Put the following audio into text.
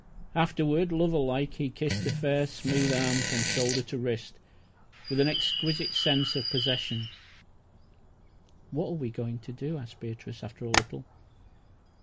Afterward, lover like, he kissed the fair, smooth arm from shoulder to wrist, with an exquisite sense of possession. "What are we going to do?" asked Beatrice, after a little.